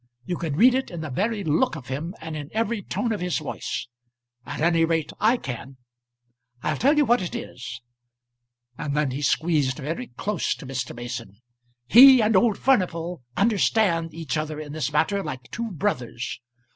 You can read it in the very look of him, and in every tone of his voice. At any rate I can. I'll tell you what it is" and then he squeezed very close to Mr. Mason "he and old Furnival understand each other in this matter like two brothers.